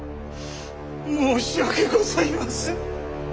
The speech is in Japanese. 申し訳ございません！